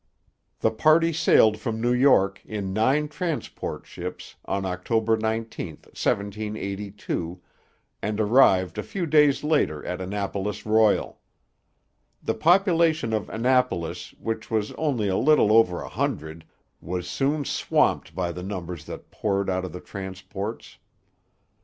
The party sailed from New York, in nine transport ships, on October 19, 1782, and arrived a few days later at Annapolis Royal. The population of Annapolis, which was only a little over a hundred, was soon swamped by the numbers that poured out of the transports.